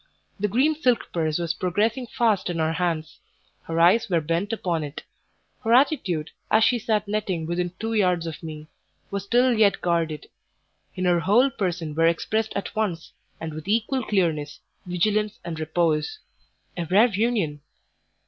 The green silk purse was progressing fast in her hands; her eyes were bent upon it; her attitude, as she sat netting within two yards of me, was still yet guarded; in her whole person were expressed at once, and with equal clearness, vigilance and repose a rare union!